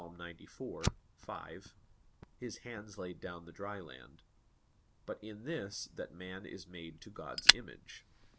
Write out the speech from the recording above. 94:5), "His hands laid down the dry land"; but in this, that man is made to God's image.